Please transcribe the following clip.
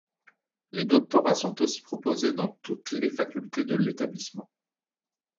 Les doctorats sont aussi proposés dans toutes les facultés de l'établissement.